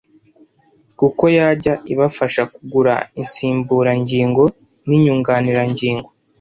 kuko yajya ibafasha kugura insimburangingo n’inyunganirangingo